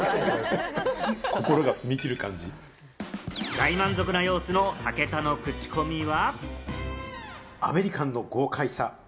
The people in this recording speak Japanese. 大満足な様子の武田のクチコミは。